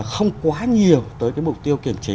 không quá nhiều tới cái mục tiêu kiểm chế